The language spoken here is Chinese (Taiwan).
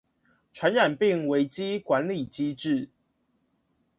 傳染病危機管理機制